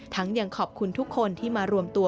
ยังขอบคุณทุกคนที่มารวมตัว